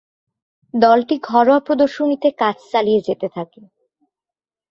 দলটি ঘরোয়া প্রদর্শনীতে কাজ চালিয়ে যেতে থাকে।